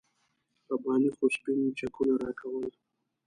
رباني خو سپین چکونه راکول.